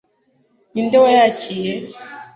ninde wayakiriye